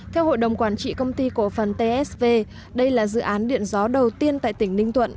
theo hội đồng quản trị công ty cổ phần tsv đây là dự án điện gió đầu tiên tại tỉnh ninh thuận